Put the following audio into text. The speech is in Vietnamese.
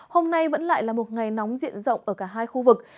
hôm nay vẫn lại là một ngày nóng diện rộng ở cả hai khu vực